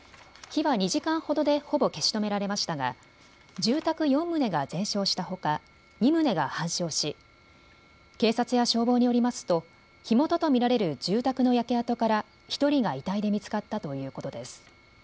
火は２時間ほどでほぼ消し止められましたが住宅４棟が全焼したほか２棟が半焼し警察や消防によりますと火元と見られる住宅の焼け跡から１人が遺体で見つかったということです。